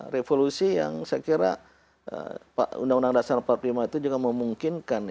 revolusi yang saya kira undang undang dasar empat puluh lima itu juga memungkinkan